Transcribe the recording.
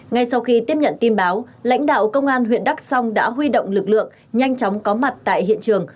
ngay sau khi tiếp nhận tin báo lãnh đạo công an huyện đắk song đã huy động lực lượng nhanh chóng có mặt tại hiện trường